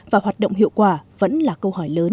và hoạt động hiệu quả vẫn là câu hỏi lớn